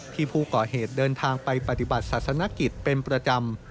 ที่ผู้ก่อเหตุเดินทางไปปฏิบัติศาสนกิจเป็นประจำ